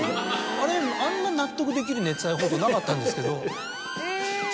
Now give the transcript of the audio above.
あれあんな納得できる熱愛報道なかったんですけど。